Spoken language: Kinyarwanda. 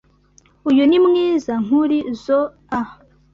Uyu ni mwiza nkurizoa.